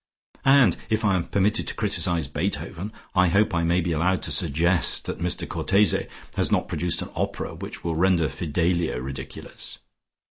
And if I am permitted to criticise Beethoven, I hope I may be allowed to suggest that Mr Cortese has not produced an opera which will render Fidelio ridiculous.